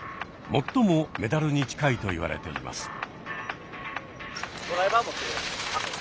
最もメダルに近いといわれています。